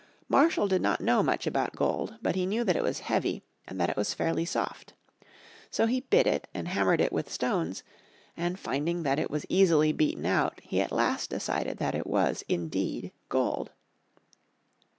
Marshall did not know much about gold, but he knew that it was heavy, and that it was fairly soft. So he bit and hammered it with stones, and finding that it was easily beaten out he at last decided that it was indeed gold.